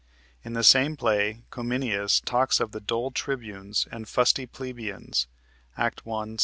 In the same play Cominius talks of the "dull tribunes" and "fusty plebeians" (Act 1, Sc.